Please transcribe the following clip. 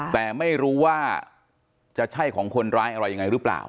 แต่ไม่รู้ว่าจะใช่ของคนร้ายอะไรยังไงหรือเปล่า